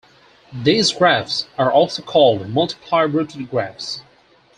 These graphs are also called multiply rooted graphs.